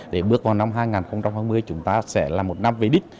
để bước vào năm hai nghìn hai mươi chúng ta sẽ là một năm về đích